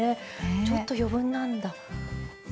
ちょっと余分なんだ。